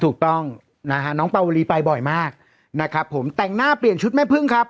ถูกต้องนะฮะน้องปาวรีไปบ่อยมากนะครับผมแต่งหน้าเปลี่ยนชุดแม่พึ่งครับ